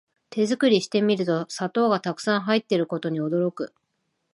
手作りしてみると砂糖がたくさん入ってることに驚く